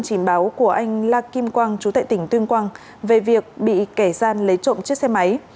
trình báo của anh la kim quang chú tại tỉnh tuyên quang về việc bị kẻ gian lấy trộm chiếc xe máy